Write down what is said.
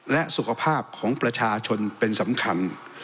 และสุขภาพของประชาชนเป็นสำคัญ